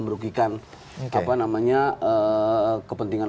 menyuguhkan apa namanya kepentingan